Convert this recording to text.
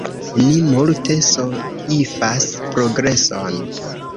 Ni multe soifas progreson.